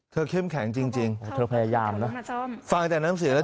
เธอเข้มแข็งจริงจริงเอาไว้สิครับ